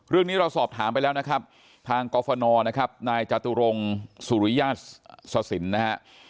เรื่องนี้เราสอบถามไปแล้วนะครับทางกรฟนนะครับนายจตุรงศ์สุริยาศสสินธ์นะฮะ